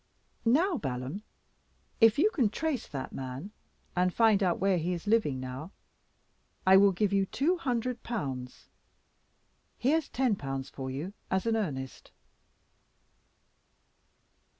"Now, Balaam, if you can trace that man, and find out where he is living now, I will give you two hundred pounds. Here's ten pounds for you as an earnest."